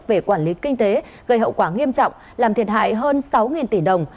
về quản lý kinh tế gây hậu quả nghiêm trọng làm thiệt hại hơn sáu tỷ đồng